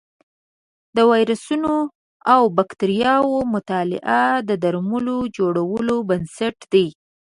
د ویروسونو او بکتریاوو مطالعه د درملو جوړولو بنسټ دی.